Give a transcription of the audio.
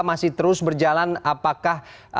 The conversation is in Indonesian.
masih terus berjalan apakah